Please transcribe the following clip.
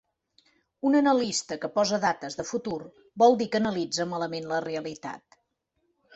Un analista que posa dates de futur vol dir que analitza malament la realitat.